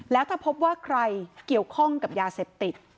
แล้วถ้าพบว่าใครเกี่ยวข้องกับยาเสพติด